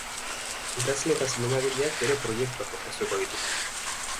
Idazle eta zinemagileak bere proiektuak aurkeztuko ditu.